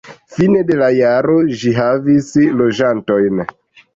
Fine de la jaro ĝi havis loĝantojn.